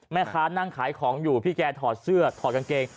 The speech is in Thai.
แม่ค้านั่งขายของอยู่พี่แกถอดเสื้อถอดกางเกง